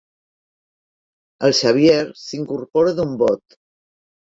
El Xavier s'incorpora d'un bot.